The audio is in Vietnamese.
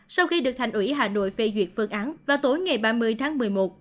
sau khi được thành ủy hà nội phê duyệt phương án vào tối ngày ba mươi tháng một mươi một